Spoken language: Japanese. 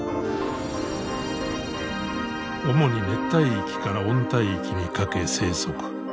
主に熱帯域から温帯域にかけ生息。